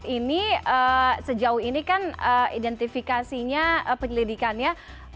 ini sejauh ini kan identifikasinya penyelidikannya